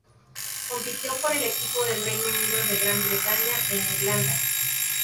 Compitió por el equipo del Reino Unido de Gran Bretaña e Irlanda.